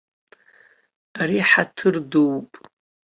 Ари ҳаҭыр дууп!